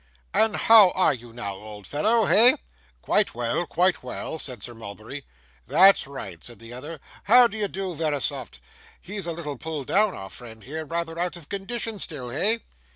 'And how are you now, old fellow, hey?' 'Quite well, quite well,' said Sir Mulberry. 'That's right,' said the other. 'How d'ye do, Verisopht? He's a little pulled down, our friend here. Rather out of condition still, hey?